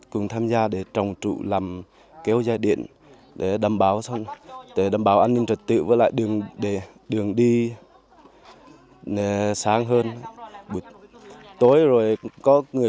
cùng tham gia để trồng trụ làm kéo dài điện để đảm bảo an ninh trật tự với lại đường đi